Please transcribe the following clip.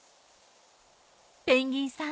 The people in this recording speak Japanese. ペンギンさん